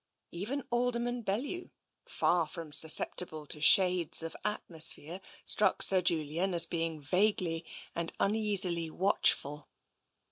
Even Alderman Bellew, far from susceptible to shades of atmosphere, struck Sir Julian as being vaguely and uneasily watchful.